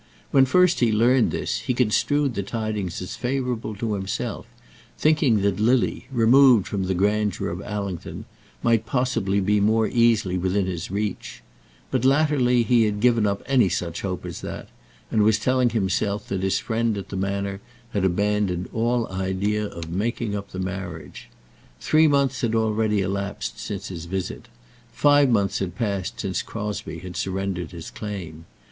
When first he learned this he construed the tidings as favourable to himself, thinking that Lily, removed from the grandeur of Allington, might possibly be more easily within his reach; but, latterly, he had given up any such hope as that, and was telling himself that his friend at the Manor had abandoned all idea of making up the marriage. Three months had already elapsed since his visit. Five months had passed since Crosbie had surrendered his claim.